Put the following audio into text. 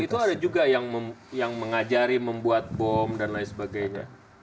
itu ada juga yang mengajari membuat bom dan lain sebagainya